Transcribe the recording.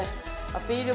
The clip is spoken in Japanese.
アピール